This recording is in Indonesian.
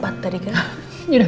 kerjain pr yang bener ya